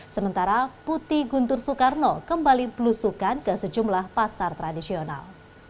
sementara putih guntur soekarno kembali belusukan ke sejumlah pasar tradisional